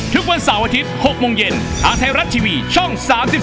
ทุกวันเสาร์อาทิตย์๖โมงเย็นทางไทยรัฐทีวีช่อง๓๒